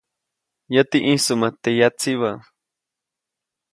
Yäti ʼĩjsuʼmät teʼ yatsibä.